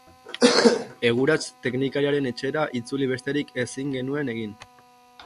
Egurats-teknikariaren etxera itzuli besterik ezin genuen egin.